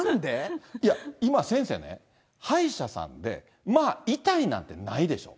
今先生ね、歯医者さんで、まあ、痛いなんてないでしょ？